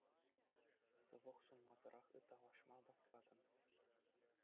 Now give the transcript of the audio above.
Сывлӑх сунмасӑрах ыталашма васкатӑн.